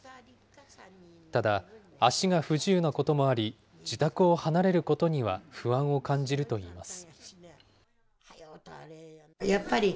ただ、足が不自由なこともあり、自宅を離れることには不安を感じるといいます。